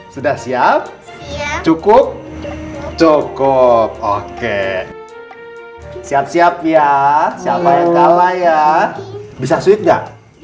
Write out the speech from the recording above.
sudah siap cukup cukup oke siap siap ya siapa yang kalah ya bisa suit gak